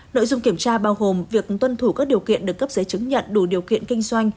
nội dung kiểm tra bao gồm việc tuân thủ các điều kiện được cấp giấy chứng nhận đủ điều kiện kinh doanh